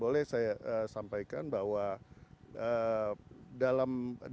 boleh saya sampaikan bahwa jika kita memiliki data yang sangat penting kita harus memiliki data yang sangat penting